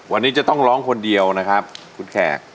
วันนี้จะต้องร้องคนเดียวนะครับคุณแขก